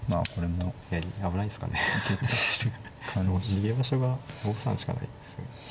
逃げ場所が５三しかないんですよね。